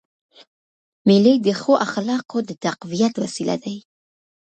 مېلې د ښو اخلاقو د تقویت وسیله دي.